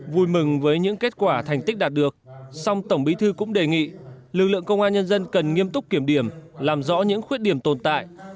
vui mừng với những kết quả thành tích đạt được song tổng bí thư cũng đề nghị lực lượng công an nhân dân cần nghiêm túc kiểm điểm làm rõ những khuyết điểm tồn tại